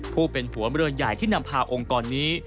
ผู้เป็นผัวเมืองใหญ่ที่นำพาองค์กรนี้